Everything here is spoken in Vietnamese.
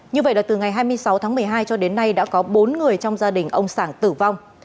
như vậy là từ ngày hai mươi sáu tháng một mươi hai cho đến nay đã có bốn người trong gia đình ông sảng tử vong